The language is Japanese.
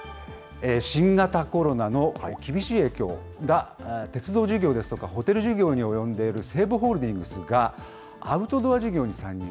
新型コロナの厳しい影響が、鉄道事業ですとか、ホテル事業に及んでいる西武ホールディングスが、アウトドア事業に参入。